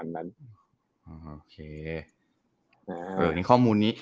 นั่นเองประมาณนั้น